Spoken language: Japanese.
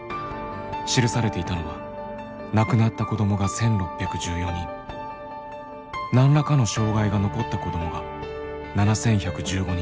記されていたのは亡くなった子どもが１，６１４人何らかの障害が残った子どもが７，１１５人。